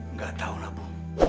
nggak tau lah bu